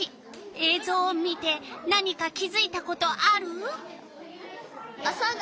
えいぞうを見て何か気づいたことある？